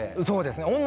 そうですね。